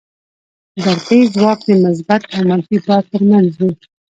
برقي ځواک د مثبت او منفي بار تر منځ وي.